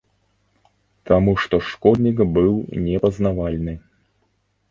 Таму што школьнік быў непазнавальны.